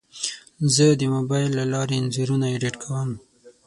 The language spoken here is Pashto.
زه د موبایل له لارې انځورونه ایډیټ کوم.